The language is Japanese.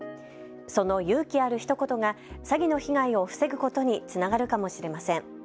その勇気あるひと言が詐欺の被害を防ぐことにつながるかもしれません。